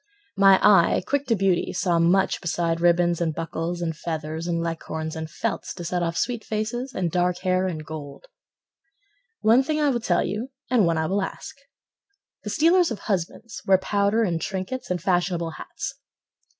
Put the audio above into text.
My eye quick to beauty Saw much beside ribbons And buckles and feathers And leghorns and felts, To set off sweet faces, And dark hair and gold. One thing I will tell you And one I will ask: The stealers of husbands Wear powder and trinkets, And fashionable hats.